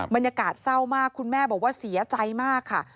บรรยากาศเศร้ามากคุณแม่บอกว่าเสียใจมากค่ะ